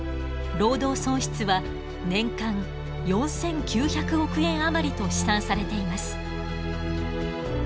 労働損失は年間４，９００億円余りと試算されています。